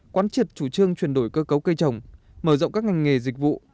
quán triệt chủ trương chuyển đổi cơ cấu cây trồng mở rộng các ngành nghề dịch vụ